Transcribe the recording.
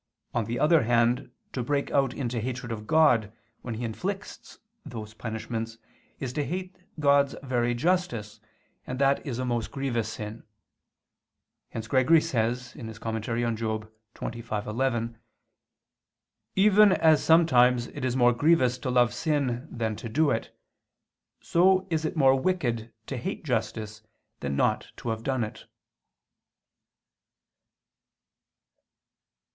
On the other hand, to break out into hatred of God when He inflicts those punishments, is to hate God's very justice, and that is a most grievous sin. Hence Gregory says (Moral. xxv, 11): "Even as sometimes it is more grievous to love sin than to do it, so is it more wicked to hate justice than not to have done it."